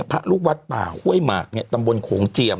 พระลูกวัดป่าห้วยหมากตำบลโขงเจียม